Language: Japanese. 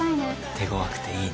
手ごわくていいね。